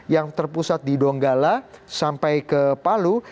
yang terpusat di donggala sampai ke palu